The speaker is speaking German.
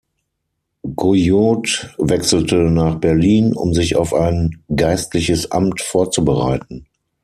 Guyot wechselte nach Berlin, um sich auf ein geistliches Amt vorzubereiten.